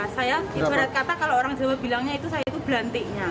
saya ibarat kata kalau orang jawa bilangnya itu saya itu belantiknya